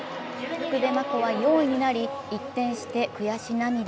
福部真子は４位になり、一転して悔し涙。